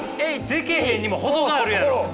できへんにも程があるやろ。